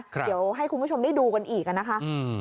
เดี๋ยวให้คุณผู้ชมได้ดูกันอีกนะคะ